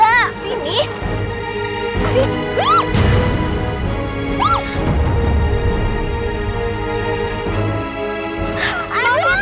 aku pengen gue kasian